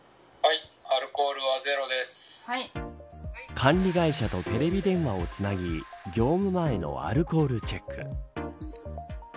管理会社とテレビ電話をつなぎ業務前のアルコールチェック。